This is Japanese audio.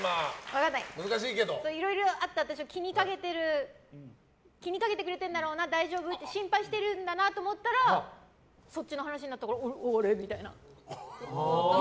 いろいろあった私を気にかけてくれてるんだろうな大丈夫？心配してるんだなと思ったらそっちの話になったからおおみたいな。